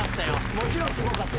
もちろんすごかった。